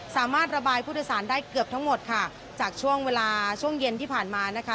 สามารถระบายผู้โดยสารได้เกือบทั้งหมดค่ะจากช่วงเวลาช่วงเย็นที่ผ่านมานะคะ